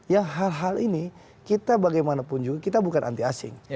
yang hal hal ini kita bagaimanapun juga kita bukan anti asing